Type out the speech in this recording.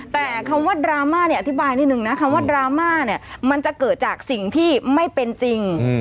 แต่คำว่าดราม่าเนี่ยอธิบายนิดนึงนะคำว่าดราม่าเนี่ยมันจะเกิดจากสิ่งที่ไม่เป็นจริง